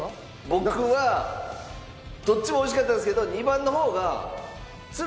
僕はどっちも美味しかったんですけど。